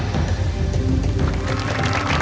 ตอนต่อไป